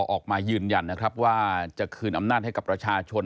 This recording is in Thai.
ออกมายืนยันนะครับว่าจะคืนอำนาจให้กับประชาชน